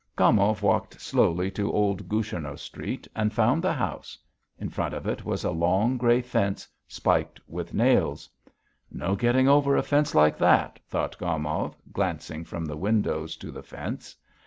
Gomov walked slowly to Old Goucharno Street and found the house. In front of it was a long, grey fence spiked with nails. "No getting over a fence like that," thought Gomov, glancing from the windows to the fence.